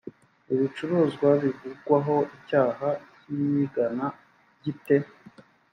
ibicuruzwa bivugwaho icyaha cy iyigana gite